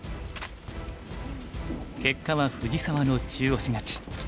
結果は藤沢の中押し勝ち。